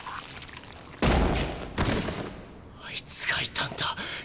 あいつがいたんだ。